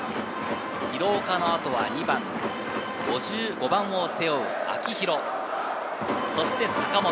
廣岡の後は２番、５５番を背負う秋広、そして坂本。